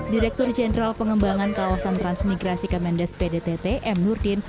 direktur jenderal pengembangan kawasan transmigrasi kemendes pdtt m nurdin